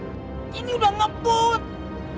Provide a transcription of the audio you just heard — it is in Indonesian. ini udah ngeput